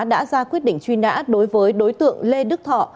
đã ra quyết định truy nã đối với đối tượng lê đức thọ